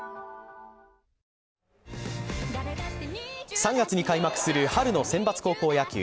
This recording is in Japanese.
３月に開幕する春の選抜高校野球。